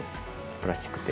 プラスチックって。